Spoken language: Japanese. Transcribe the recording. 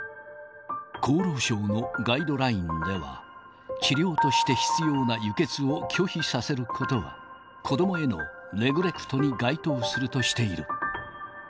厚労省のガイドラインでは、治療として必要な輸血を拒否させることは、子どもへのネグレクトに該当するとしている。